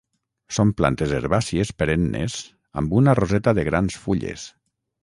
Són plantes herbàcies perennes amb una roseta de grans fulles.